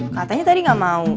katanya tadi gak mau